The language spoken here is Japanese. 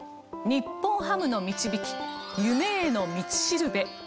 日本ハムの導き「夢への道しるべ」。